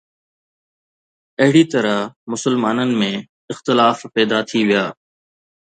اهڙي طرح مسلمانن ۾ اختلاف پيدا ٿي ويا